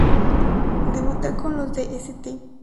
Debuta con los de St.